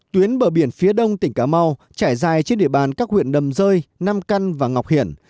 tuyến bờ biển phía đông tỉnh cà mau trải dài trên địa bàn các huyện đầm rơi nam căn và ngọc hiển